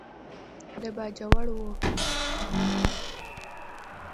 د باجوړ و.